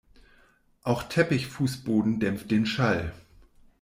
Auch Teppichfußboden dämpft den Schall.